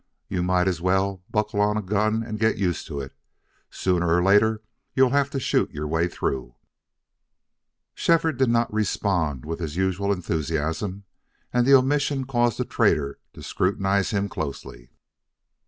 And you might as well buckle on a gun and get used to it. Sooner or later you'll have to shoot your way through." Shefford did not respond with his usual enthusiasm, and the omission caused the trader to scrutinize him closely.